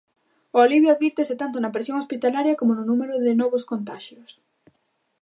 O alivio advírtese tanto na presión hospitalaria como no número de novos contaxios.